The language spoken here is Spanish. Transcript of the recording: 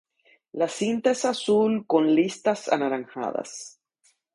La cinta es azul con listas anaranjadas.